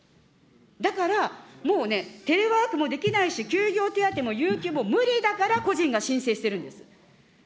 だからもうね、テレワークもできないし、休業手当も有給も無理だから個人が申請してるんです。